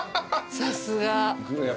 さすが。